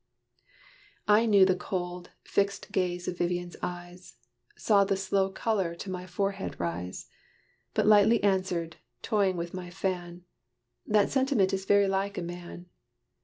I knew the cold, fixed gaze of Vivian's eyes Saw the slow color to my forehead rise; But lightly answered, toying with my fan, "That sentiment is very like a man!